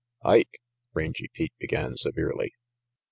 "Ike," Rangy Pete began severely.